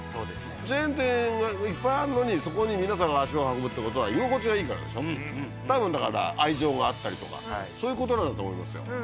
チェーン店がいっぱいあんのにそこに皆さんが足を運ぶって事は多分だから愛情があったりとかそういう事なんだと思いますよ。